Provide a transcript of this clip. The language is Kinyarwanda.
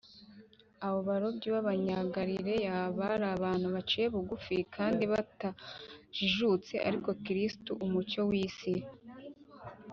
abo barobyi b’abanyagalileya bari abantu baciye bugufi kandi batajijutse, ariko kristo, umucyo w’isi,